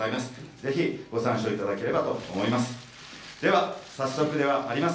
ぜひご参照いただければと思います。